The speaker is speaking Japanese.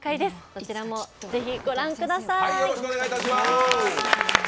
どちらもぜひご覧ください。